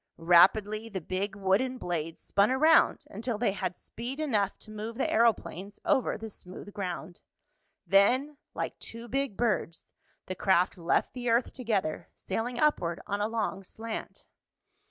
Rapidly the big wooden blades spun around until they had speed enough to move the aeroplanes over the smooth ground. Then, like two big birds, the craft left the earth together, sailing upward on a long slant.